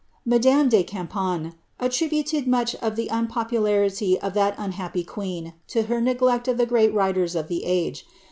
Bfadame de Campan attributed much of the unpopularity of that unhappy qneen to her neglect of the sreat writers of the age.